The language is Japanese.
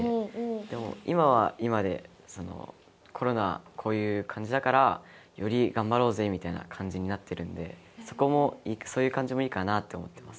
でも今は今でコロナこういう感じだからより頑張ろうぜみたいな感じになってるんでそういう感じもいいかなって思ってます。